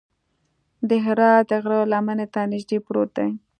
د حرا د غره لمنې ته نږدې پروت دی.